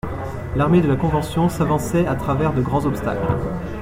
L'armée de la Convention s'avançait à travers de grands obstacles.